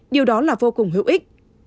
điều đó là vô cùng hữu ích